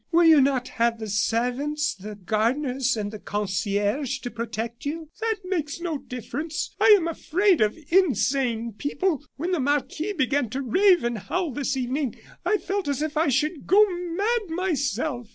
will you not have the servants, the gardeners, and the concierge to protect you?" "That makes no difference. I am afraid of insane people. When the marquis began to rave and howl this evening, I felt as if I should go mad myself."